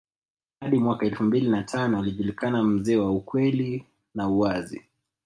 Hadi mwaka elfu mbili na tano akijulikana mzee wa ukweli na uwazi